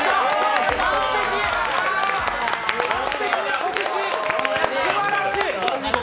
完璧な告知、すばらしい。